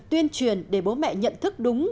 tuyên truyền để bố mẹ nhận thức đúng